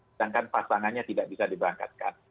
sedangkan pasangannya tidak bisa diberangkatkan